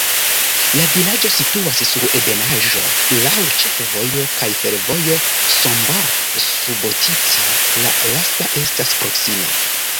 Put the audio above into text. La vilaĝo situas sur ebenaĵo, laŭ ĉefvojo kaj fervojo Sombor-Subotica, la lasta estas proksime.